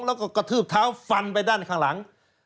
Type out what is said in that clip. แล้วก็กระทืบเท้าฟันไปด้านข้างหลัง